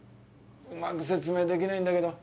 うまく説明できないんだけど。